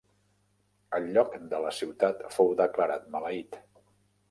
El lloc de la ciutat fou declarat maleït.